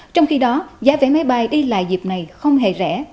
trong khi đó giá vé máy bay đi lại dịp này không hề rẻ